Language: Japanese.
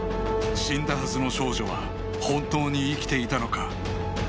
死んだはずの少女は本当に生きていたのか？